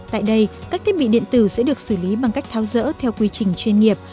tại đây các thiết bị điện tử sẽ được xử lý bằng cách tháo rỡ theo quy trình chuyên nghiệp